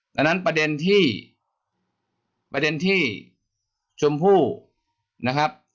ดังนั้นประเด็นที่ประเด็นที่ชมพู่นะครับ